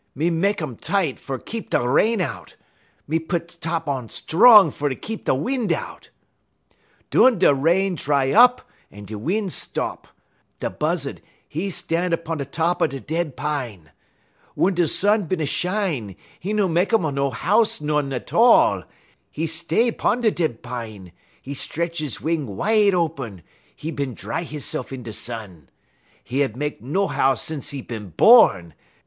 Me mek um tight fer keep da rain out; me pit top on strong fer keep da win' out.' "Dun da rain dry up en da win' stop. Da Buzzud, 'e stan' 'pon top da dead pine. Wun da sun bin a shine, 'e no mek um no house no'n 't all. 'E stay 'pon da dead pine; 'e 'tretch 'e wing wide open; 'e bin dry hisse'f in da sun. 'E hab mek no house sence 'e bin born.